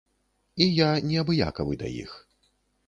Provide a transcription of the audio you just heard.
І я неабыякавы да іх.